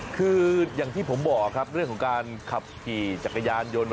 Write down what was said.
คืออย่างที่ผมบอกครับเรื่องของการขับขี่จักรยานยนต์